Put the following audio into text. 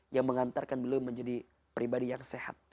yang mengantarkan beliau menjadi pribadi yang sehat